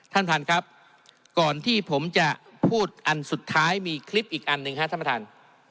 ท่านท่านครับก่อนที่ผมจะพูดอันสุดท้ายมีคลิปอีกอันหนึ่งครับท่านประธาน